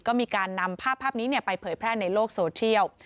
ก็มีการนำภาพนี้ไปเผยแพร่ในโลกโซเชียล